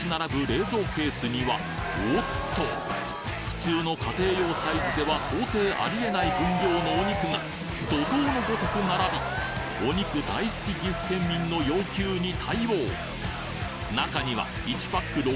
冷蔵ケースにはおっと普通の家庭用サイズでは到底あり得ない分量のお肉が怒涛のごとく並びお肉大好き岐阜県民の要求に対応中には１パック６０００円